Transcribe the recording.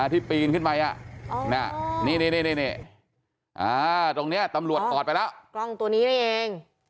ที่ปีนขึ้นไปนี่ตรงนี้ตำรวจถอดไปแล้วกล้องตัวนี้นี่เอง